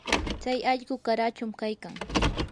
tsay allqu qarachum kaykan.